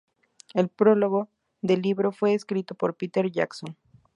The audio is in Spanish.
El prólogo del libro fue escrito por Peter Jackson.